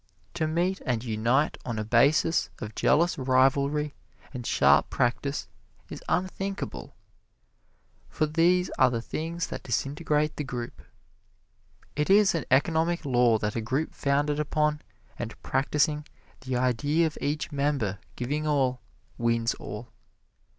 To meet and unite on a basis of jealous rivalry and sharp practise is unthinkable, for these are the things that disintegrate the group. It is an economic law that a group founded upon and practising the idea of each member giving all, wins all.